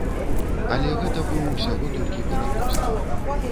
Але гэта быў усяго толькі перапост.